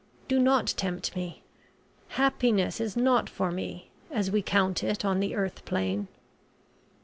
do not tempt me. Happiness is not for me, as we count it on the earth plane."